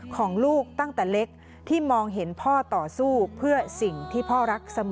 ของลูกตั้งแต่เล็กที่มองเห็นพ่อต่อสู้เพื่อสิ่งที่พ่อรักเสมอ